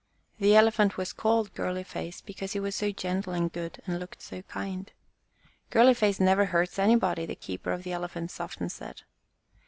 The Elephant was called Girly face because he was so gentle and good and looked so kind. "Girly face never hurts any body," the keeper of the Elephants often said.